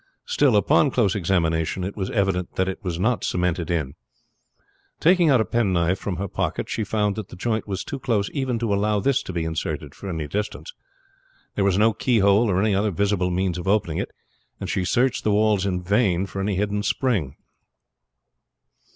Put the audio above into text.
Still, upon close examination, it was evident that it was not cemented in. Taking out a penknife from her pocket, she found that the joint was too close even to allow this to be inserted for any distance. There was no keyhole or any other visible means of opening it, and she searched the walls in vain for any hidden spring.